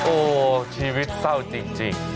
โอ้โหชีวิตเศร้าจริง